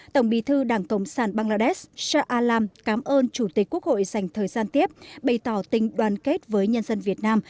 tổng bí thư đảng cộng sản bangladesh sham cảm ơn chủ tịch quốc hội dành thời gian tiếp bày tỏ tình đoàn kết với nhân dân việt nam